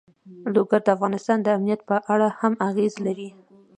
لوگر د افغانستان د امنیت په اړه هم اغېز لري.